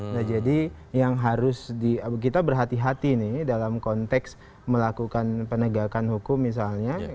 nah jadi yang harus kita berhati hati nih dalam konteks melakukan penegakan hukum misalnya